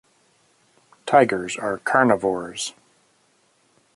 Tigers are carnivores.